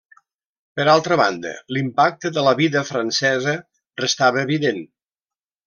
Per altra banda, l'impacte de la vida francesa restava evident.